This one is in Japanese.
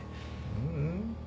ううん。